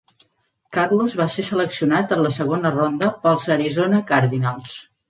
Karlos va ser seleccionat en la segona ronda pels Arizona Cardinals.